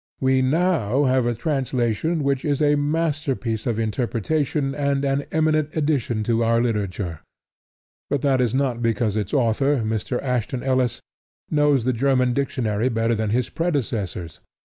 We now have a translation which is a masterpiece of interpretation and an eminent addition to our literature; but that is not because its author, Mr. Ashton Ellis, knows the German dictionary better than his predecessors.